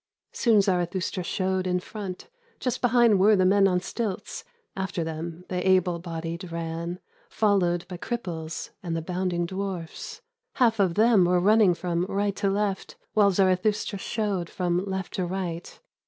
Soon Zarathustra showed in front ; Just behind were the men on stilts. After them the able bodied ran Followed by cripples and the bounding dwarfs ; Half of them were running from right to left While Zarathustra showed from left to right.